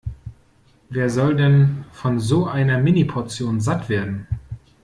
Wer soll denn von so einer Mini-Portion satt werden?